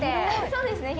そうですね。